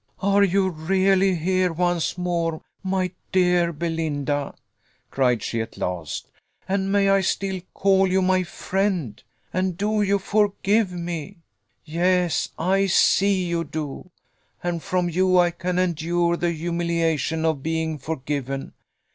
"And are you really here once more, my dear Belinda?" cried she at last; "and may I still call you my friend? and do you forgive me? Yes, I see you do and from you I can endure the humiliation of being forgiven.